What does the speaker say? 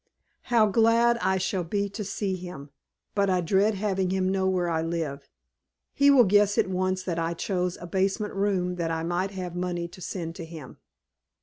"How glad I shall be to see him, but I dread having him know where I live. He will guess at once that I chose a basement room that I might have money to send to him."